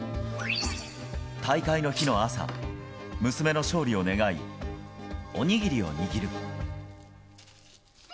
大会の日の朝、娘の勝利を願い、お握りを握る。